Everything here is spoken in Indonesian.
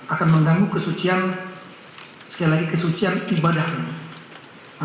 akan mengganggu kesucian sekali lagi kesucian ibadah ini